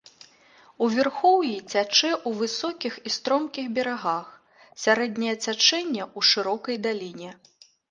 У вярхоўі цячэ ў высокіх і стромкіх берагах, сярэдняе цячэнне ў шырокай даліне.